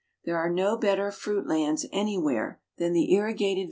There are no better fruit lands any where than the irrigated CARP.